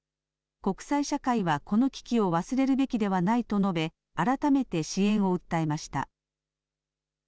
国際社会はこの危機を忘れるべきではないと述べ改めて支援を訴えました。